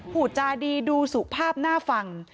พูดจาดีดูสุภาพน่าฟัง